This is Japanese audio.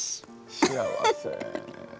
幸せ。